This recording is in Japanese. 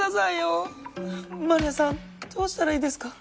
丸谷さんどうしたらいいですか？